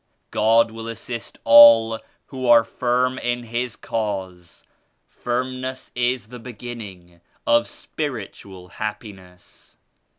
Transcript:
God will assist all who are firm in His Cause. Firmness is the beginning of spirit ual happiness."